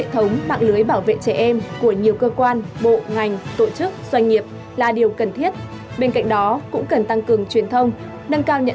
tổng đài bảo vệ trẻ em một trăm một mươi một đã tiếp nhận hơn ba trăm năm mươi năm cuộc gọi